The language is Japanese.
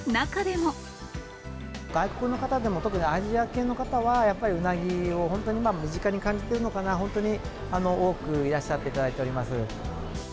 外国の方でも、特にアジア系の方は、やっぱりうなぎを、本当に身近に感じてるのかな、本当に多くいらっしゃっていただいております。